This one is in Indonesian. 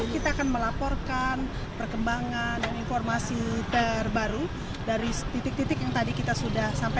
kita akan melaporkan perkembangan dan informasi terbaru dari titik titik yang tadi kita sudah sampaikan